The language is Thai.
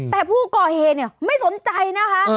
แต่ผู้ก่อเหตุไม่สนใจนะคะ